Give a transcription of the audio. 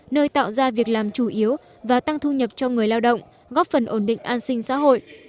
nơi tạo ra việc làm chủ yếu và tăng thu nhập cho người lao động góp phần ổn định an sinh xã hội